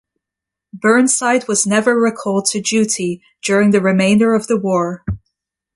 Burnside was never recalled to duty during the remainder of the war.